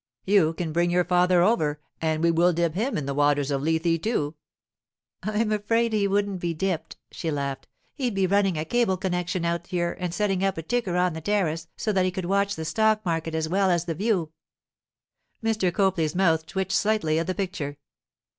You can bring your father over, and we will dip him in the waters of Lethe, too.' 'I'm afraid he wouldn't be dipped,' she laughed. 'He'd be running a cable connexion out here and setting up a ticker on the terrace, so that he could watch the stock market as well as the view.' Mr. Copley's mouth twitched slightly at the picture.